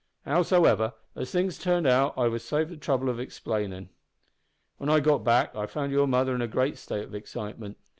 Howsever, as things turned out I was saved the trouble of explainin'. "When I got back I found your mother in a great state of excitement.